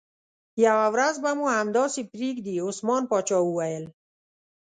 یوه ورځ به مو همداسې پرېږدي، عثمان باچا وویل.